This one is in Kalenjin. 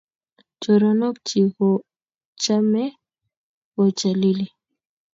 Choronok chik kochame kochalili.